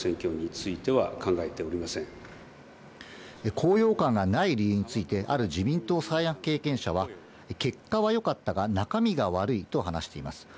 高揚感がない理由について、ある自民党三役経験者は、結果はよかったが、中身が悪いと話しています。